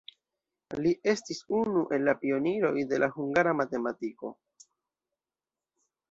Li estis unu el la pioniroj de la hungara matematiko.